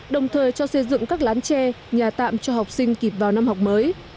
đồng thời cho xây dựng các lán tre nhà tạm cho học sinh kịp vào năm học mới